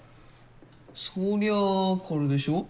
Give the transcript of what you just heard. そりゃあこれでしょ？